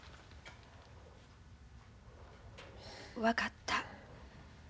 分かった。